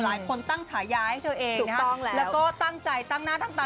หลายคนตั้งฉาย้าให้เธอเองนะครับแล้วก็ตั้งใจตั้งหน้าตั้งตา